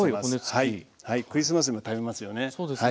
クリスマスにも食べますよね。